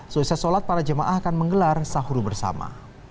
sosial solat para jemaah akan menggelar sahuru bersama